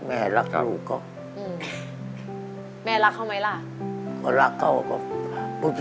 แม่มีลูกกี่คนครับคุณแม่